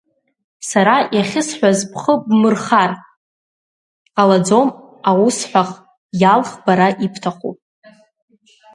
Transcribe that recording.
Сара иахьысҳәаз бхы бмырхар ҟалаӡом аусҳәах, иалх бара ибҭаху.